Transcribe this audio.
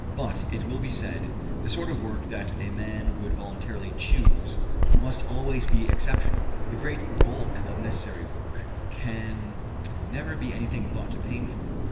But, it will be said, the sort of work that a man would voluntarily choose must always be exceptional: the great bulk of necessary work can never be anything but painful.